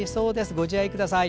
ご自愛ください。